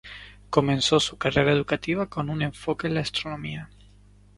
Comenzó su carrera educativa con un enfoque en la astronomía.